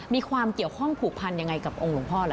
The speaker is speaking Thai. มีความเกี่ยวข้องผูกพันยังไงกับองค์หลวงพ่อล่ะ